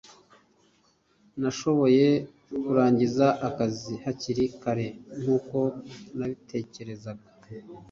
Nashoboye kurangiza akazi hakiri kare nkuko nabitekerezaga.